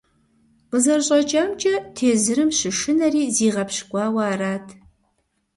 КъызэрыщӀэкӀамкӀэ, тезырым щышынэри зигъэпщкӀуауэ арат.